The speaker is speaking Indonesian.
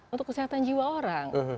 untuk kesehatan jiwa orang